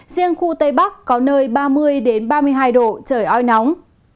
riêng khu tây bắc có nơi ba mươi ba mươi hai độ trời oi nóng